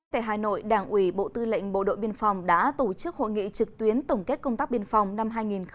tại hà nội đảng ủy bộ tư lệnh bộ đội biên phòng đã tổ chức hội nghị trực tuyến tổng kết công tác biên phòng năm hai nghìn một mươi chín